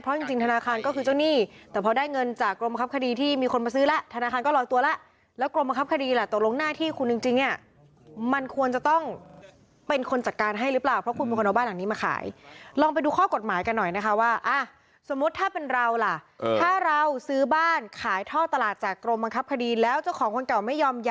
เพราะจริงธนาคารก็คือเจ้าหนี้แต่พอได้เงินจากกรมบังคับคดีที่มีคนมาซื้อแล้วธนาคารก็ลอยตัวแล้วแล้วกรมบังคับคดีล่ะตกลงหน้าที่คุณจริงมันควรจะต้องเป็นคนจัดการให้หรือเปล่าเพราะคุณมีคนเอาบ้านอันนี้มาขายลองไปดูข้อกฎหมายกันหน่อยนะคะว่าสมมติถ้าเป็นเราล่ะถ้าเราซื้อบ้านขายท่อตลา